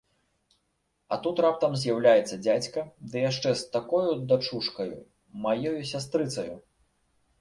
А тут раптам з'яўляецца дзядзька, ды яшчэ з такою дачушкаю, маёю сястрыцаю!